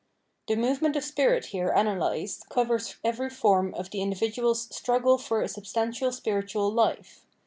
The movement of spirit here analysed covers every form of the in dividual's "struggle for a substantial spiritual life."